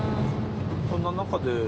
そんな中で。